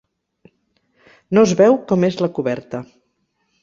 No es veu com és la coberta.